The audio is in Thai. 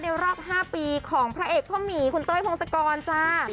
รอบ๕ปีของพระเอกพ่อหมีคุณเต้ยพงศกรจ้า